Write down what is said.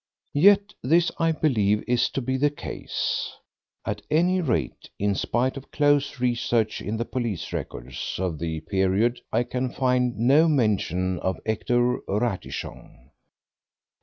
Yet this I believe to be the case. At any rate, in spite of close research in the police records of the period, I can find no mention of Hector Ratichon.